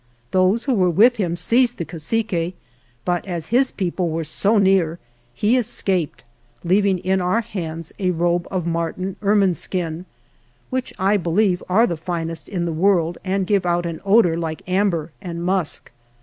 Those who were with him seized the cacique, but as his people were so near he escaped, leaving in our hands a robe of marten ermine skin, which, I believe, are the finest in the world and give out an odor like amber and musk.